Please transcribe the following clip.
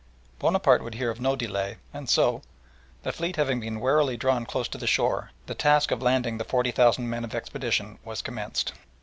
Bonaparte would hear of no delay, and so, the fleet having been warily drawn close to the shore, the task of landing the forty thousand men of the expedition was commenced.